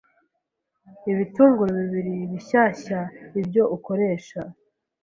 Ibitunguru bibiri bishyashya ibyo ukoresha